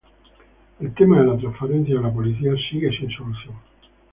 El tema de la transferencia de la policía sigue sin solución.